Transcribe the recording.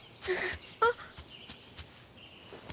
あっ。